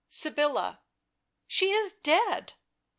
" Sybilla." " She is dead."